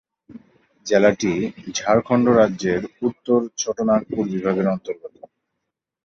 জেলাটি ঝাড়খন্ড রাজ্যের উত্তর ছোটনাগপুর বিভাগের অন্তর্গত।